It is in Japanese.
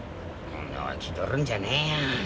女は気取るんじゃねえよ。